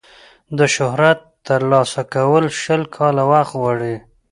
د شهرت ترلاسه کول شل کاله وخت غواړي.